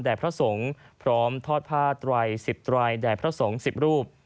แด่พระสงค์พร้อมทอดผ้าตร่อย๑๐ตร่อยแด่พระสงค์๑๐รูป